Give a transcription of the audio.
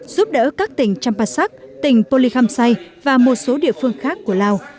giúp đỡ các tỉnh champasak tỉnh polikamsai và một số địa phương khác của lào